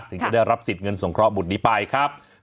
ถึงจะได้รับสิทธิ์เงินสงเคราะหมุดนี้ไปครับ